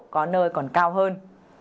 có nơi còn cao hơn